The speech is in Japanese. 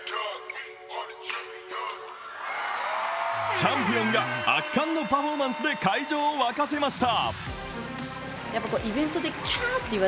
チャンピオンが圧巻のパフォーマンスで会場を沸かせました。